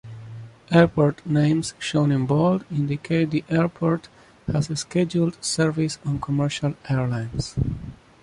Airport names shown in bold indicate the airport has scheduled service on commercial airlines.